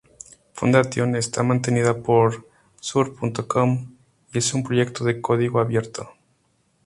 Foundation está mantenida por zurb.com y es un proyecto de código abierto.